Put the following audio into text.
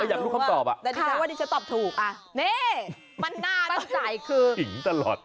อาจารย์ว่าวันนี้จะตอบถูกนี่ปัญญาณปัญสัยคือหิงตลอด